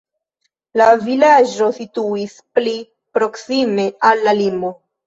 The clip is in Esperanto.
La vilaĝo situis pli proksime al la limo.